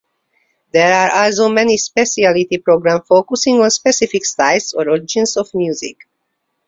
There are also many specialty programs focusing on specific styles or origins of music.